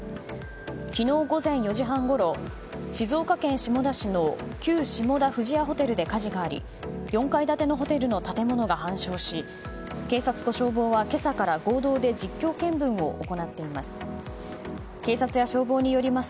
昨日午前４時半ごろ静岡県下田市の旧下田富士屋ホテルで火事があり４階建てのホテルの建物が半焼し警察と消防は今朝から合同で実況見分を行っています。